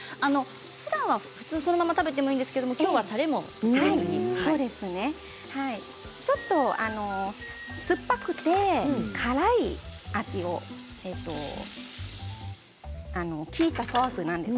ふだんはそのまま食べてもいいんですがきょうはたれも酸っぱくて辛い味が利いたソースです。